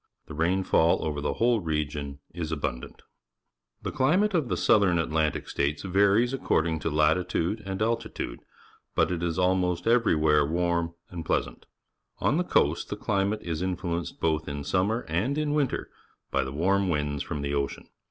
The rainfall over the whole region is abundant. T hejclimate of the South Atlantic States varies according to latitude and altitude, but it is almost e^"ervwlK'^e \\arm and pleasant. Onthe coast the climate is influenced both in summer and in winter by the warm winds from the ocean.